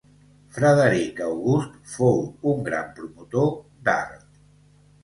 Frederic August fou un gran promotor d'art.